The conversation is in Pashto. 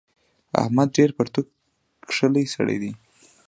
احمد ډېر پرتوګ کښلی سړی دی.